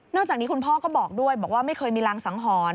จากนี้คุณพ่อก็บอกด้วยบอกว่าไม่เคยมีรางสังหรณ์